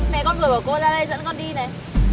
mẹ con vừa của cô ra đây dẫn con đi này